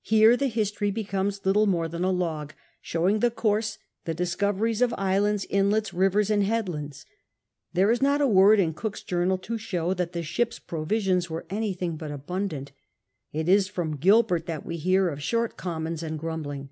Here the history becomes little moie than a log, showing the course, the discoveries of isLinds, inlets, rivers, and headlands. There is not a word in Cook's journal to show lhat the ship's provisions w^ere anything but abundant. It is from Gilbert tliat wc hear of short commons and grumbling.